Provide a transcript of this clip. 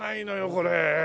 これ。